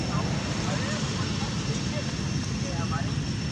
زړه مي را خوري;